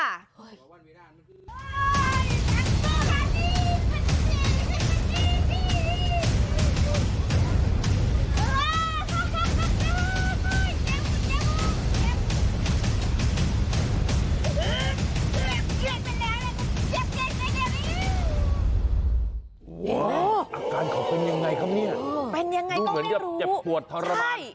อาการเขาเป็นยังไงครับเนี่ยดูเหมือนจะเจ็บปวดทรมาน